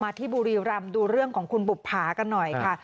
ที่บุรีรำดูเรื่องของคุณบุภากันหน่อยค่ะ